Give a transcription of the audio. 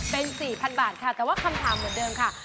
เป็น๔๐๐๐บาทค่ะแต่ว่าคำถามเหมือนเดิมค่ะ